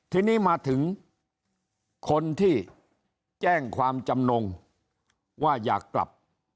ทีนี้มาถึงคนที่แจ้งความจำนงว่าอยากกลับ